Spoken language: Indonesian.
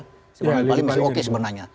lili pali masih oke sebenarnya